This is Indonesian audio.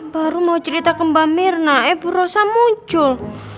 baru mau cerita ke mbak mirna eh bu rosa muncul